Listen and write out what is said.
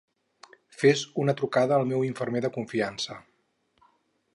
Fes una trucada al meu infermer de confiança.